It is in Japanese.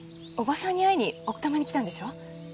おばさんに会いに奥多摩に来たんでしょ？